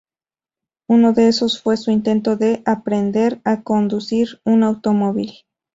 Uno de esos fue su intento de aprender a conducir un automóvil.